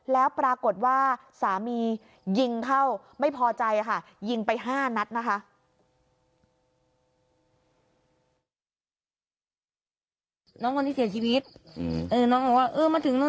แล้วปรากฏว่าสามียิงเข้าไม่พอใจค่ะยิงไป๕นัดนะคะ